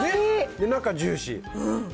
中ジューシー。